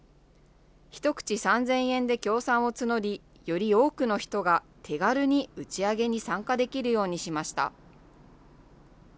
１口３０００円で協賛を募り、より多くの人が手軽に打ち上げに参加できるようにしました。